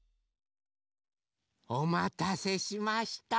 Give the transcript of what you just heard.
おまたせしました。